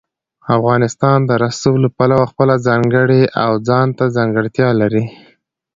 افغانستان د رسوب له پلوه خپله ځانګړې او ځانته ځانګړتیا لري.